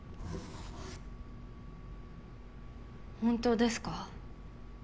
本当ですか？